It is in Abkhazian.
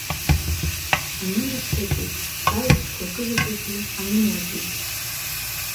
Аномер ҭыҵит, сажәабжьқәа акы заҵәыкгьы анымлаӡеит.